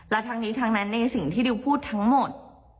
และทั้งนี้ทั้งนั้นในสิ่งที่ดิวพูดทั้งหมด